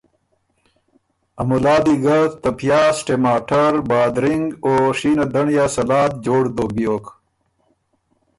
ا ملا دی ګه ته پیاس، ټماټر، بادرِنګ او شینه دنړیا سلاد جوړ دوک بیوک۔